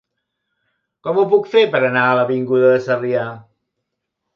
Com ho puc fer per anar a l'avinguda de Sarrià?